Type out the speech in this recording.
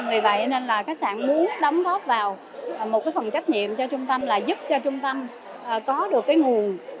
vì vậy nên là khách sạn muốn đóng góp vào một cái phần trách nhiệm cho trung tâm là giúp cho trung tâm có được cái nguồn